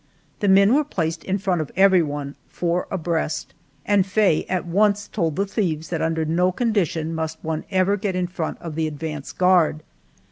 The men were placed in front of everyone, four abreast, and Faye at once told the thieves that under no conditions must one ever get in front of the advance guard.